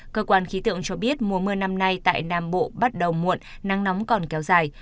cơ quan khí tượng cho biết mùa mưa năm nay tại nam bộ bắt đầu muộn nắng nóng còn kéo dài